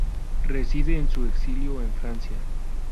Reside en su exilio en Francia.